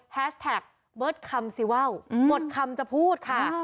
แฮชแท็กหมดคำสิว่าวหมดคำจะพูดค่ะ